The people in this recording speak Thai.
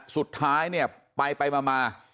สุดท้ายเนี่ยไปมา